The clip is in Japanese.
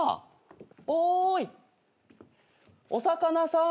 おーいお魚さーん。